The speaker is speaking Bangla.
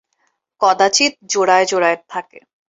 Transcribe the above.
কদাচিৎ জোড়ায় জোড়ায় থাকে।